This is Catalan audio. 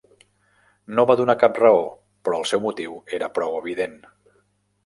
No va donar cap raó, però el seu motiu era prou evident.